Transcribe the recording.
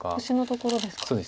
星のところですか。